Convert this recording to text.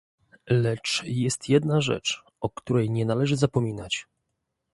Lecz jest jedna rzecz, o której nie należy zapominać